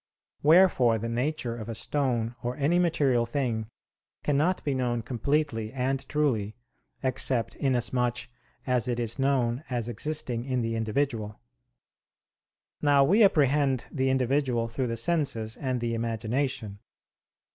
Wherefore the nature of a stone or any material thing cannot be known completely and truly, except in as much as it is known as existing in the individual. Now we apprehend the individual through the senses and the imagination.